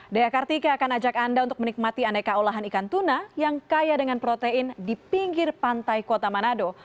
dea kartika akan ajak anda untuk menikmati aneka olahan ikan tuna yang kaya dengan protein di pinggir pantai kota manado